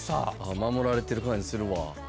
守られてる感じするわ。